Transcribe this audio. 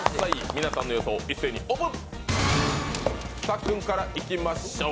皆さんの予想、一斉にオープン！